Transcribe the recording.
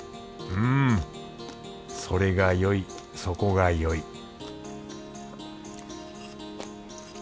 うんそれがよいそこがよい